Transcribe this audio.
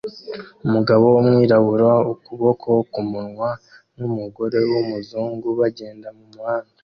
Umugabo wumwirabura ukuboko kumunwa numugore wumuzungu bagenda mumuhanda